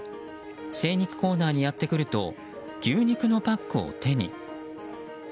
精肉コーナーにやってくると牛肉のパックを手に。